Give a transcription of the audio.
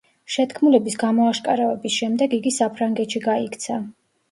შეთქმულების გამოაშკარავების შემდეგ იგი საფრანგეთში გაიქცა.